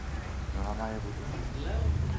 Non ha mai avuto figli.